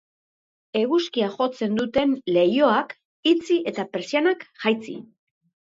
Eguzkia jotzen duten leihoak itxi eta pertsianak jaitsi.